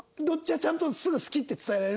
ちゃんとすぐ好きって伝えられる？